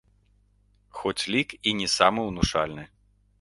Хоць лік і не самы ўнушальны.